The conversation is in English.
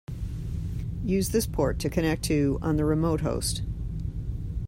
Use this port to connect to on the remote host.